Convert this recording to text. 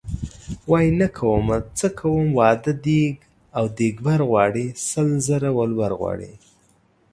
وايي نه کومه څه کوم واده دیګ او دیګبر غواړي سل زره ولور غواړي .